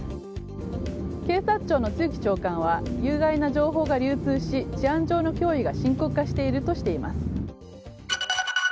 警察庁の露木長官は有害な情報が流通し治安上の脅威が深刻化しているとしています。